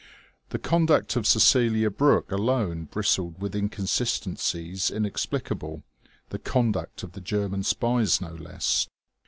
The conduct of Cecelia Brooke alone bristled with inconsistencies inexplicable, the conduct of the German spies no less.